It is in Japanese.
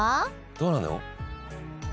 どうなの？